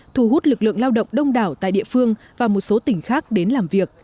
thu hút lực lượng lao động đông đảo tại địa phương và một số tỉnh khác đến làm việc